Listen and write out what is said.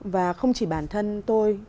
và không chỉ bản thân tôi